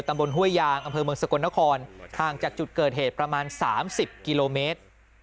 ห้วยยางอำเภอเมืองสกลนครห่างจากจุดเกิดเหตุประมาณ๓๐กิโลเมตร